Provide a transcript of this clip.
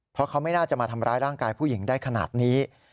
เพราะเขาไม่น่าจะมาทำร้ายร่างกายผู้หญิงได้ขนาดนี้